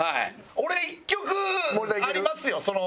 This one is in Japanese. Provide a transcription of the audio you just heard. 俺１曲ありますよ